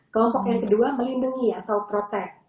kelompok yang kedua melindungi atau protect